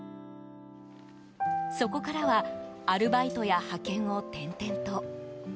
そこからはアルバイトや派遣を転々と。